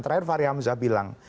terakhir fahri hamzah bilang